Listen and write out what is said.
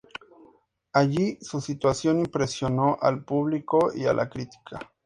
Allí, su actuación impresionó al público y a la crítica.